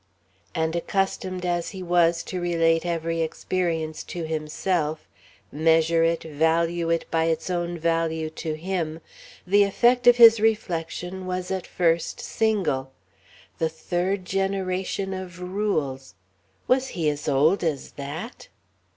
And accustomed as he was to relate every experience to himself, measure it, value it by its own value to him, the effect of his reflection was at first single: The third generation of Rules. _Was he as old as that?